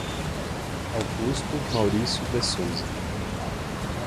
Augusto Mauricio de Souza